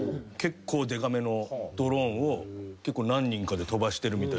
結構でかめのドローンを何人かで飛ばしてる。